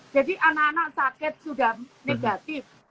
jadi anak anak sakit sudah negatif